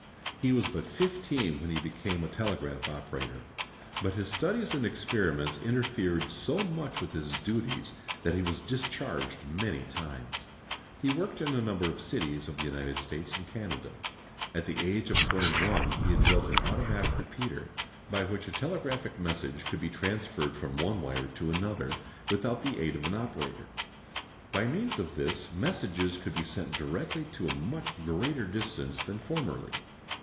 He was but fifteen when he became a telegraph operator. But his studies and experiments interfered so much with his duties that he was discharged many times. He worked in a number of cities of the United States and Canada. At the age of twenty one he had built an automatic repeater, by which a telegraphic message could be transferred from one wire to another without the aid of an operator. By means of this messages could be sent direct to a much greater distance than formerly.